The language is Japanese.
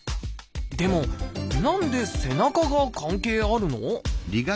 でも何で背中が関係あるの？